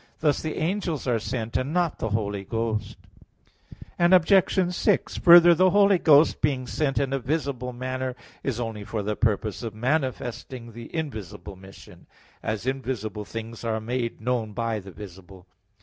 Thus the angels are sent, and not the Holy Ghost. Obj. 6: Further, the Holy Ghost being sent in a visible manner is only for the purpose of manifesting the invisible mission; as invisible things are made known by the visible.